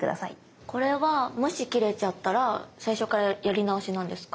これはもし切れちゃったら最初からやり直しなんですか？